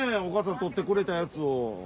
お母さんとってくれたやつを。